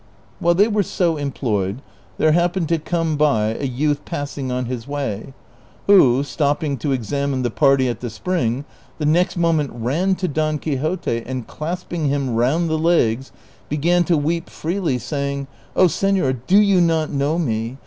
While they were so employed there happened to come by a youth passing on his way, who stopping to examine the party at the spring, the next moment ran to Don Quixote and clasp ing him round the legs, began to weep freely, saying, '' 0, seilor, do you not know me